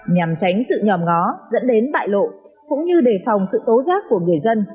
nhằm tránh sự nhòm ngó dẫn đến bại lộ cũng như đề phòng sự tố giác của người dân